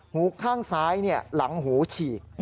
หูข้างซ้ายหลังหูฉีก